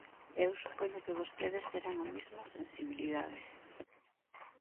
Eu supoño que vostedes terán a mesma sensibilidade.